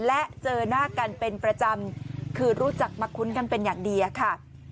และเจอหน้ากันเป็นประจำคือรู้จักมาคุ้นกันเป็นอย่างดีค่ะ